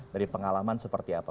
dari pengalaman seperti apa